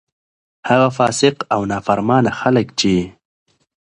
هغه فاسق او نا فرمانه خلک چې: